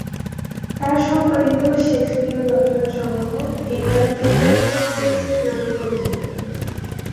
তার সম্পাদিত শেকসপিয়র রচনা সংগ্রহ "দি আলেকজান্ডার টেক্সট" নামে পরিচিত।